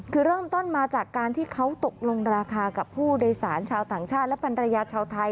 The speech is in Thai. คือเริ่มต้นมาจากการที่เขาตกลงราคากับผู้โดยสารชาวต่างชาติและภรรยาชาวไทย